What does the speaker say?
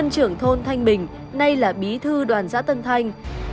trưởng thôn thanh bình nay là bí thư đoàn giã tân thanh